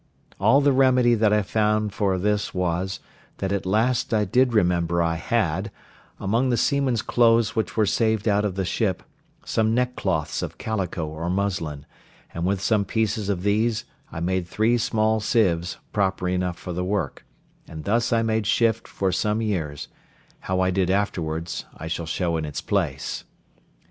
All the remedy that I found for this was, that at last I did remember I had, among the seamen's clothes which were saved out of the ship, some neckcloths of calico or muslin; and with some pieces of these I made three small sieves proper enough for the work; and thus I made shift for some years: how I did afterwards, I shall show in its place.